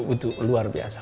itu luar biasa